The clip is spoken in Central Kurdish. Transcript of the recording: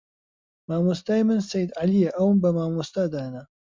مامۆستای من سەید عەلیە ئەوم بە مامۆستا دانا